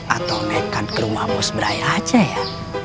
atau mereka ke rumah bos beraya aja ya